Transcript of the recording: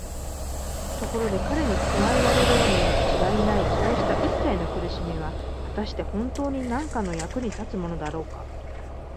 ところで彼に加えられるにちがいないそうしたいっさいの苦しみは、はたしてほんとうになんかの役に立つものだろうか。